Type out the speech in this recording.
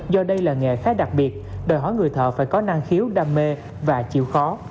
do đây là nghề khá đặc biệt đòi hỏi người thợ phải có năng khiếu đam mê và chịu khó